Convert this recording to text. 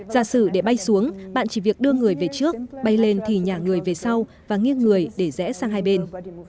giả sử để bay xuống bạn chỉ việc đưa người về trước bay lên thì nhà người về sau và nghiêng người để rẽ sang hai bên